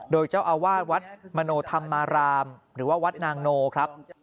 โดยเจ้าอาวาสวัดมโนธรรมารามหรือว่าวัดนางโนครับ